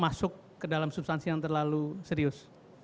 masuk ke dalam substansi yang terlalu serius